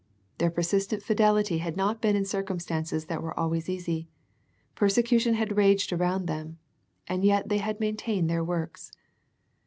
Their per sistent fidelity had not been in circumstances that were always easy. Persecution had raged around them, and yet they had maintained their works.